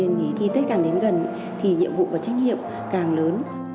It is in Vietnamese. tuy nhiên khi tết càng đến gần thì nhiệm vụ và trách nhiệm càng lớn